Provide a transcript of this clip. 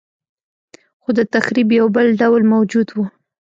خو د تخریب یو بل ډول موجود و